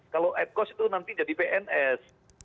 kalau ad cost itu nanti jadi pns